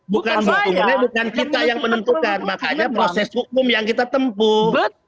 bukan hukumnya bukan kita yang menentukan makanya proses hukum yang kita tempuh